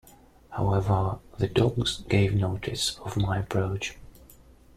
However, the dogs gave notice of my approach.